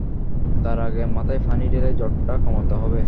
তার আগে মাথায় পানি ঢেলে জ্বরটা কমাতে হবে।